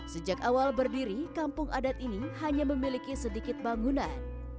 sejak awal berdiri kampung adat ini hanya memiliki sedikit bangunan